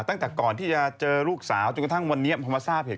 ตั้งแต่ก่อนที่จะเจอลูกสาวจนกระทั่งวันนี้พอมาทราบเหตุ